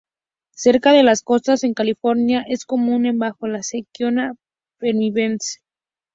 Cerca de las costas en California, es común en bajo la "Sequoia sempervirens".